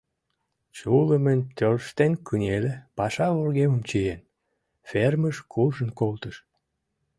Чулымын тӧрштен кынеле, паша вургемым чиен, фермыш куржын колтыш.